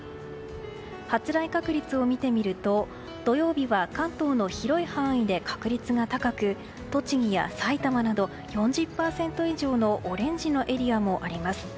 発雷確率を見てみると土曜日は関東の広い範囲で確率が高く栃木や埼玉など４０％以上のオレンジのエリアもあります。